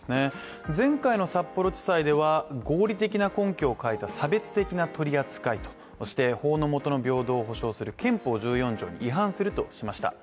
前回の札幌地裁では合理的な根拠を欠いた差別的な取り扱いと、そして法のもとの平等を保障する憲法１４条に違反するとしました。